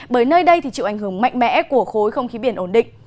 bởi nơi đây chịu ảnh hưởng mạnh mẽ của khối không khí biển ổn định